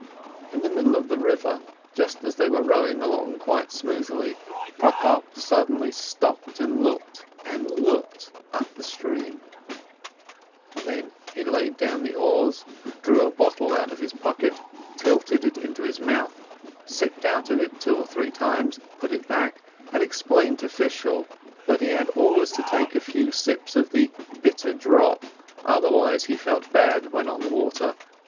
In the very middle of the river, just as they were rowing along quite smoothly, Prokop suddenly stopped, and looked — and looked — up the stream; then he laid down the oars, drew a bottle out of his pocket, tilted it into his mouth, sipped out of it two or three times, put it back, and explained to Fishel that he had always to take a few sips of the "bitter drop," otherwise he felt bad when on the water.